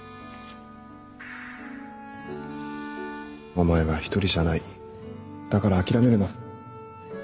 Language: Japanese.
お前は１人じゃないだから諦めるな